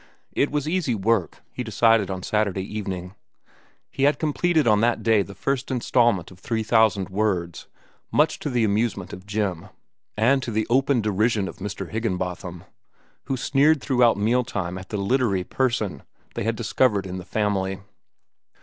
It was easy work, he decided on Saturday evening. He had completed on that day the first instalment of three thousand words—much to the amusement of Jim, and to the open derision of Mr. Higginbotham, who sneered throughout meal time at the "litery" person they had discovered in the family.